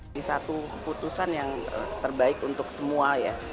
ini satu keputusan yang terbaik untuk semua ya